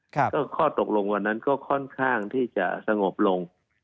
ก็ข้อตกลงวันนั้นก็ค่อนข้างที่จะสงบลง